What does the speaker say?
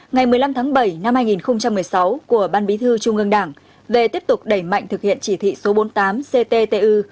ngày một mươi năm tháng bảy năm hai nghìn một mươi sáu của ban bí thư trung ương đảng về tiếp tục đẩy mạnh thực hiện chỉ thị số bốn mươi tám cttu